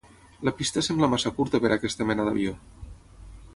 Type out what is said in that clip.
La pista sembla massa curta per a aquesta mena d'avió.